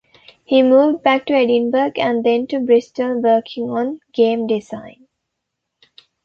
He moved back to Edinburgh and then to Bristol working on game design.